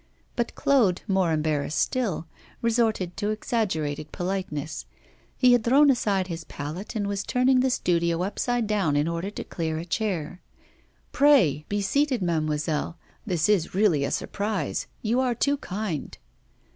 But Claude, more embarrassed still, resorted to exaggerated politeness. He had thrown aside his palette and was turning the studio upside down in order to clear a chair. 'Pray be seated, mademoiselle. This is really a surprise. You are too kind.